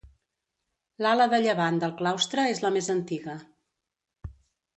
L'ala de llevant del claustre és la més antiga.